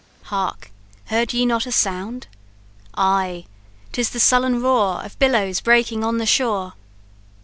"Hark! heard ye not a sound?" "Aye, 'tis the sullen roar Of billows breaking on the shore."